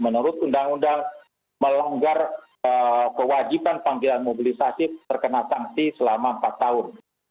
menurut undang undang melanggar kewajiban panggilan mobilisasi terkena sanksi selama empat tahun